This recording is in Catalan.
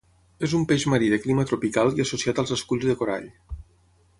És un peix marí de clima tropical i associat als esculls de corall.